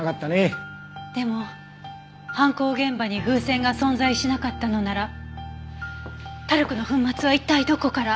でも犯行現場に風船が存在しなかったのならタルクの粉末は一体どこから。